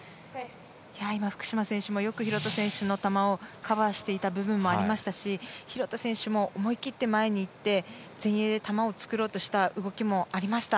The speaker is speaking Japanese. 福島選手もよく廣田選手の球をカバーしていた部分もありましたし、廣田選手も思い切って前にいって前衛で球を作ろうとした動きもありました。